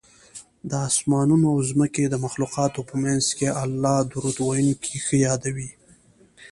د اسمانونو او ځمکې د مخلوقاتو په منځ کې الله درود ویونکی ښه یادوي